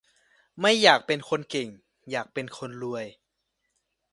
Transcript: ไม่อยากเป็นคนเก่ง อยากเป็นคนรวย